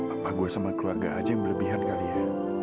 apa gue sama keluarga aja yang berlebihan kali ya